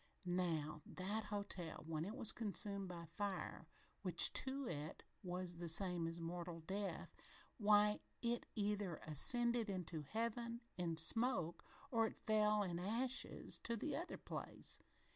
Now, that hotel, when it was consumed by fire, which to it was the same as mortal death, why, it either ascended into Heaven, in smoke, or it fell, in ashes to the other place.